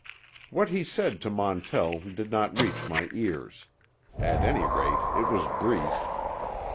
What he said to Montell did not reach my ears. At any rate, it was brief.